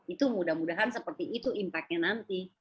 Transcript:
itu mudah mudahan seperti itu impactnya nanti